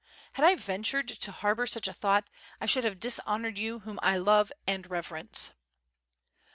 Had I ventured to harbor such a thought I should have dishonored you whom I love and reverence."